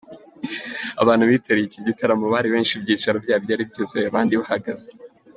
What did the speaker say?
Abantu bitabiriye iki gitaramo bari benshi, ibyicaro byari byuzuye abandi bahagaze.